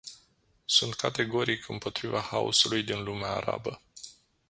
Sunt categoric împotriva haosului din lumea arabă.